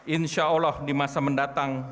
insyaallah di masa mendatang